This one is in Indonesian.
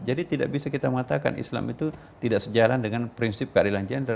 jadi tidak bisa kita mengatakan islam itu tidak sejalan dengan prinsip keadilan gender